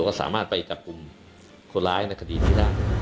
ก็สามารถไปจับกลุ่มคนร้ายในคดีนี้ได้